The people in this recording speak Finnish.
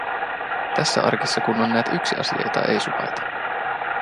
Tässä arkissa kun on näet yksi asia, jota ei suvaita;